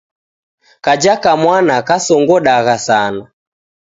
Kaja kamwana kasongodagha sana.